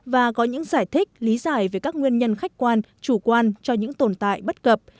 và có những giải thích lý giải về các nguyên nhân khách quan chủ quan cho những tồn tại bất cập